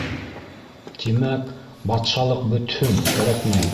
Тимәк, батшалыҡ бөтһөн, кәрәкмәй.